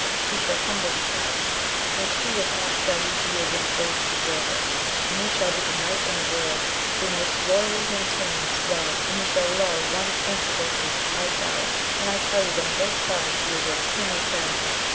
He shall humble the proud, and cruel of heart shall he be against those who deserve it, and he shall be the knight in the world who most loyally maintains his VOL. I. 1 18 AMADIS OF GAUL. love, and he shall love one answerable to his high prowess. And I tell you that on both sides he is of kingly parentage.